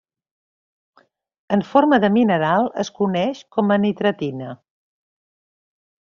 En forma de mineral es coneix com a Nitratina.